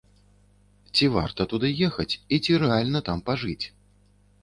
Ці варта туды ехаць і ці рэальна там пажыць?